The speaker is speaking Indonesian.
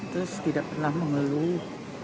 terus tidak pernah mengeluh